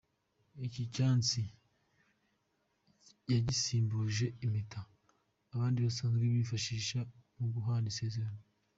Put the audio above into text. Iki cyatsi yagisimbuje impeta abandi basanzwe bifashisha mu guhana isezerano.